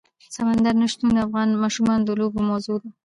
سمندر نه شتون د افغان ماشومانو د لوبو موضوع ده.